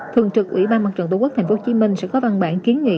thường trực ủy ban mặt trận tổ quốc thành phố hồ chí minh sẽ có văn bản kiến nghị